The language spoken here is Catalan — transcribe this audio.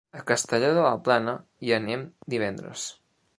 A Castelló de la Plana hi anem divendres.